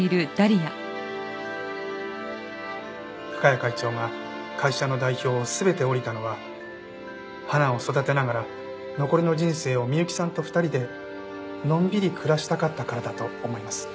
深谷会長が会社の代表を全て降りたのは花を育てながら残りの人生を美幸さんと２人でのんびり暮らしたかったからだと思います。